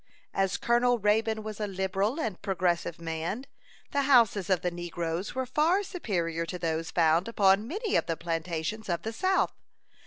As Colonel Raybone was a liberal and progressive man, the houses of the negroes were far superior to those found upon many of the plantations of the South.